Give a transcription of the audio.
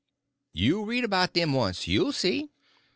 "You read about them once—you'll see.